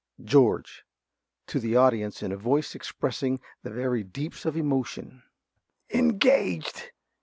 ~George~ (to the audience, in a voice expressing the very deeps of emotion). Engaged!